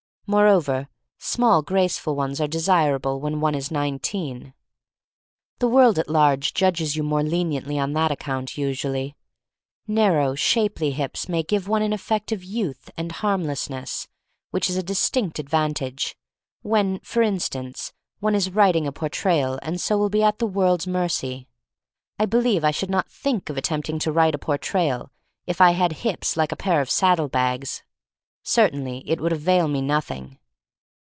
Moreover, small, graceful ones are desirable when one is nineteen. The world at large judges 250 THE STORY OF MARY MAC LANE you more leniently on that account — usually. Narrow, shapely hips may give one an effect of youth and harm lessness which is a distinct advantage, when, for instance, one is writing a Portrayal and so will be at the world's mercy. I believe I should not think of attempting to write a Portrayal if I had hips like a pair of saddle bags. Cer tainly it would avail me nothing.